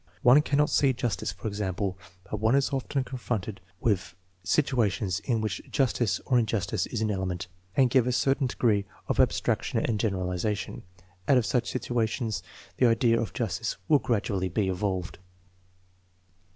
One cannot see justice, for example, but one is often confronted with situations in which justice or injus tice is an element; and given a certain degree of abstrac tion and generalization, out of such situations the idea of justice will gradually be evolved.